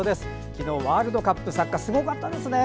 昨日ワールドカップ、サッカーすごかったですね。